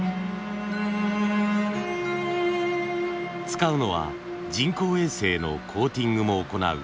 使うのは人工衛星のコーティングも行う専用の機械。